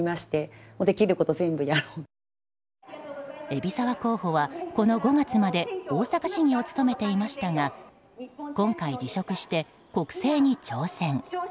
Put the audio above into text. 海老沢候補はこの５月まで大阪市議を務めていましたが今回辞職して、国政に挑戦。